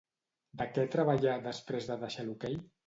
De què treballà després de deixar l'hoquei?